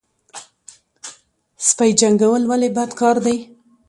سپي جنګول ولې بد کار دی؟